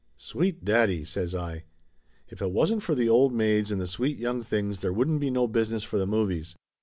"Sweet daddy!" says I. "If it wasn't for the old maids and the sweet young things there wouldn't be no business for the movies